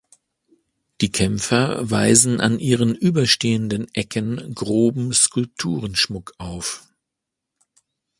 Die Kämpfer weisen an ihren überstehenden Ecken groben Skulpturenschmuck auf.